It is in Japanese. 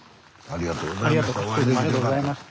ありがとうございます。